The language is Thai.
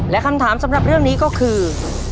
และคำถามสำหรับเรื่องนี้ก็คือ